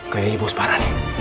kayanya bos parah nih